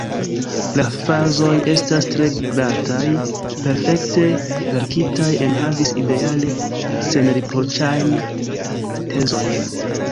La frazoj estas tre glataj, perfekte verkitaj, enhavas ideale senriproĉajn tezojn.